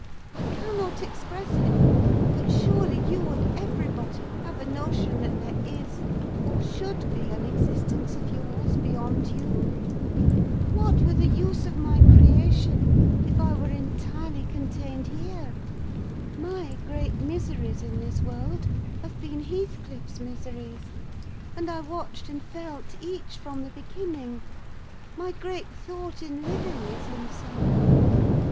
I cannot express it; but surely you and everybody have a notion that there is or should be an existence of yours beyond you. What were the use of my creation, if I were entirely contained here? My great miseries in this world have been Heathcliff's miseries, and I watched and felt each from the beginning: my great thought in living is himself.